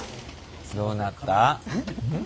どうなった？